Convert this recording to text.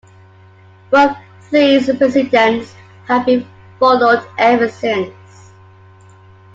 Both these precedents have been followed ever since.